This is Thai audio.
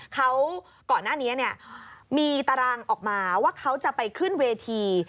เขาก่อนหน้านี้เนี่ยมีตารางออกมาว่าเขาจะไปขึ้นเวที